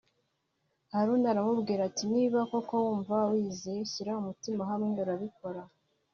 Haruna aramubwira ati “Niba koko wumva wiyizeye shyira umutima hamwe urabikora